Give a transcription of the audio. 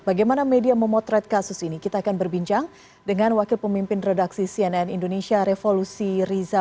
bagaimana media memotret kasus ini kita akan berbincang dengan wakil pemimpin redaksi cnn indonesia revolusi riza